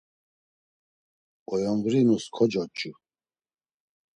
Oyondrinus kocoç̌u.